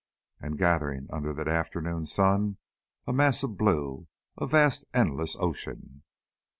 And gathering under the afternoon sun a mass of blue, a vast, endless ocean....